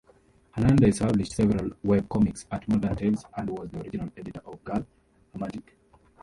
Hernandez published several webcomics at Modern Tales and was the original editor of Girlamatic.